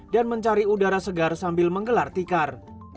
dan mencari udara segar sambil menggelar tikar